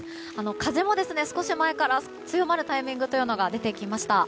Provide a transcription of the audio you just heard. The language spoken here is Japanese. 風も少し前から強まるタイミング出てきました。